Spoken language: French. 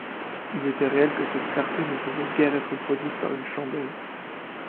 Il était réel que cette clarté ne pouvait guère être produite par une chandelle.